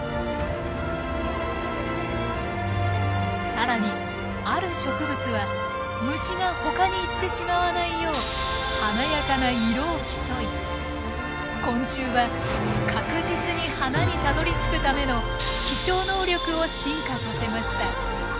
更にある植物は虫がほかに行ってしまわないよう華やかな色を競い昆虫は確実に花にたどりつくための飛翔能力を進化させました。